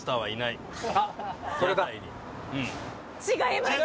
違います。